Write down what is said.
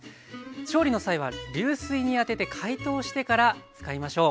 調理の際は流水に当てて解凍してから使いましょう。